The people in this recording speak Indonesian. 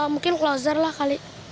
mungkin closer lah kali